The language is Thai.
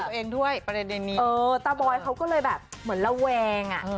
ตัวเองด้วยประเด็นนี้เออตาบอยเขาก็เลยแบบเหมือนระแวงอ่ะ